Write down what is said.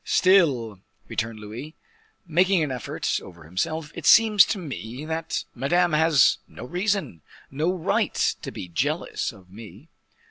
"Still," returned Louis, making an effort over himself, "it seems to me that Madame has no reason, no right to be jealous of me."